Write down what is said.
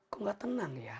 kok gak tenang ya